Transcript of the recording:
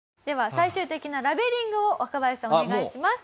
最終的なラベリングを若林さんお願いします。